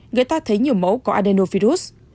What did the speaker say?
người ta thấy nhiều mẫu có adenovirus